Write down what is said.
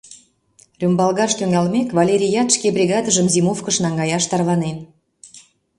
Рӱмбалгаш тӱҥалмек, Валерият шке бригадыжым зимовкыш наҥгаяш тарванен.